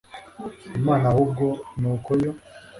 imana ahubwo ni uko yo